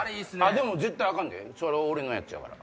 でも絶対アカンでそれ俺のやつやから。